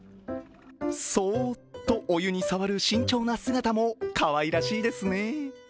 そおっとお湯に触る慎重な姿もかわいらしいてい゛すね。